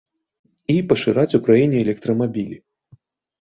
І пашыраць у краіне электрамабілі.